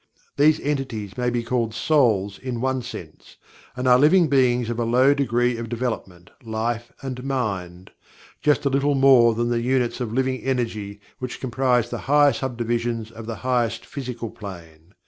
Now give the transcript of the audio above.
These entities may be called "souls" in one sense, and are living beings of a low degree of development, life, and mind just a little more than the units of "living energy" which comprise the higher sub divisions of the highest Physical Plane.